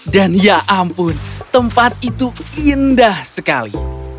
dan ya ampun tempat itu indah sekali